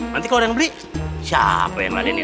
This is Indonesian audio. nanti kalau ada yang beli siapa yang meladenin